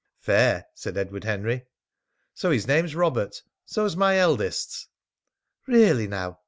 "Fair," said Edward Henry. "So his name's Robert! So's my eldest's!" "Really now!